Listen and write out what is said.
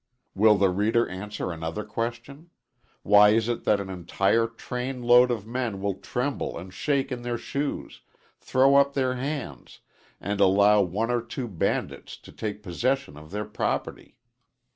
Will the reader answer another question: Why is it that an entire train load of men will tremble and shake in their shoes, throw up their hands, and allow one or two bandits to take possession of their property?